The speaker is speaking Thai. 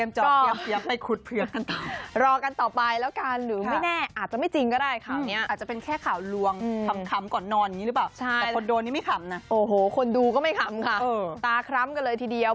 คนดูก็ไม่คำค่ะตาคล้ำกันเลยทีเดียว